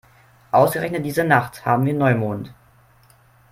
Ausgerechnet diese Nacht haben wir Neumond.